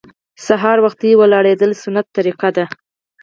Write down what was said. سهار وختي پاڅیدل سنت طریقه ده